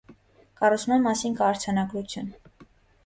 Կառուցման մասին կա արձանագրություն։